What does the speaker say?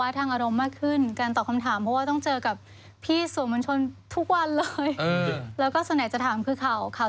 นั่งทำงานหากินคุณทำงานอะไรตอนนี้คุณทำงานอะไรตอนนี้เปิดร้านกระเป๋าค่ะ